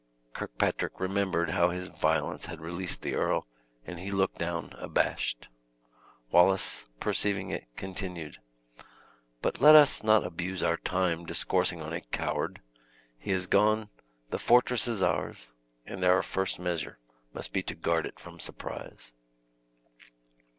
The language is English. Kirkpatrick remembered how his violence had released the earl, and he looked down abashed. Wallace, perceiving it, continued, "But let us not abuse our time discoursing on a coward. He is gone, the fortress is ours, and our first measure must be to guard if from surprise."